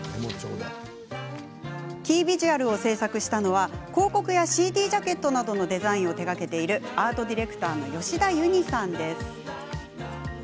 キービジュアルを制作したのは広告やＣＤジャケットなどのデザインを手がけているアートディレクターの吉田ユニさん。